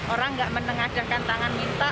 orang tidak menengajakan tangan minta